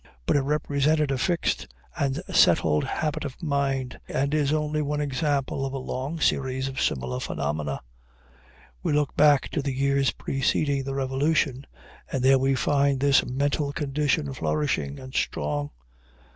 But it represented a fixed and settled habit of mind, and is only one example of a long series of similar phenomena. We look back to the years preceding the revolution, and there we find this mental condition flourishing and strong.